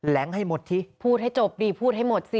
แหลงให้หมดที่พูดให้จบดิพูดให้หมดสิ